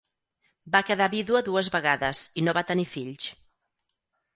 Va quedar vídua dues vegades i no va tenir fills.